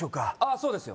そうですよ